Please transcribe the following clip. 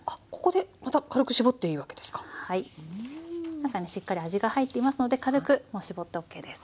中にしっかり味が入っていますので軽く絞ってＯＫです。